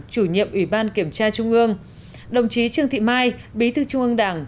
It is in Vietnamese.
chủ nhiệm ủy ban kiểm tra trung ương đồng chí trương thị mai bí thư trung ương đảng